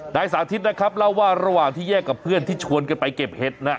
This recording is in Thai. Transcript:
สาธิตนะครับเล่าว่าระหว่างที่แยกกับเพื่อนที่ชวนกันไปเก็บเห็ดน่ะ